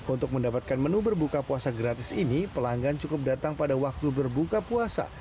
untuk mendapatkan menu berbuka puasa gratis ini pelanggan cukup datang pada waktu berbuka puasa